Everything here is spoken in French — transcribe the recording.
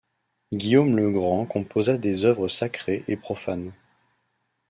Guillaume Legrant composa des œuvres sacrées et profanes.